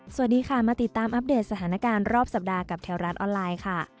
สวัสดีค่ะมาติดตามอัปเดตสถานการณ์รอบสัปดาห์กับแถวรัฐออนไลน์ค่ะ